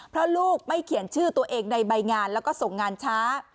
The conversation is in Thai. เพราะลูกไม่เขียนชื่อตัวเองในใบงานแล้วก็ส่งงานช้า